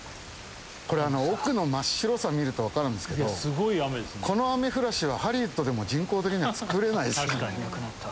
これ奥の真っ白さ見ると分かるんですけどこの雨降らしはハリウッドでも人工的にはつくれないですからね。